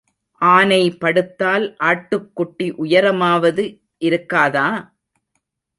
ஆனை படுத்தால் ஆட்டுக்குட்டி உயரமாவது இருக்காதா?